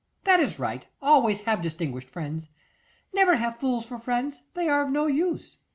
That is right; always have distinguished friends. Never have fools for friends; they are no use.